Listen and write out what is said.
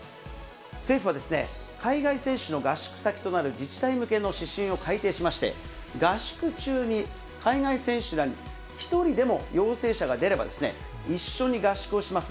政府は、海外選手の合宿先となる自治体向けの指針を改定しまして、合宿中に海外選手らに一人でも陽性者が出れば、一緒に合宿をします